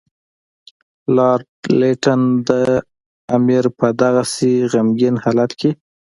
لارډ لیټن د امیر په دغسې غمګین حالت کې.